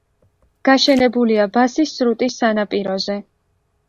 გაშენებულია ბასის სრუტის სანაპიროზე.